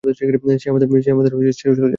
সে আমাদের ছেড়ে চলে যায়।